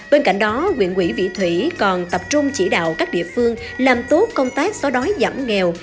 bên cạnh đó quyền vị thủy còn tập trung chỉ đạo các địa phương làm tốt công tác xóa đói giảm nghèo